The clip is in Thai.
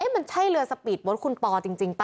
มันจะให้เรือสปีธบสคุณปอล์จริงปะ